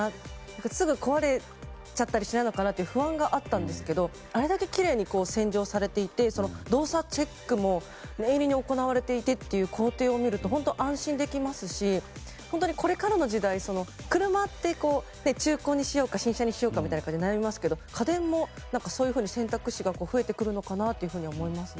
すぐ壊れちゃったりしないのかなって不安があったんですがあれだけきれいに洗浄されていて動作チェックも念入りに行われていてっていう工程を見ると本当に安心できますしこれからの時代車って中古にしようか新車にしようか悩みますけど家電もそういうふうに選択肢が増えてくるのかなと思います。